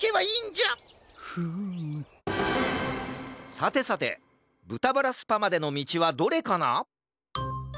さてさてぶたバラスパまでのみちはどれかな？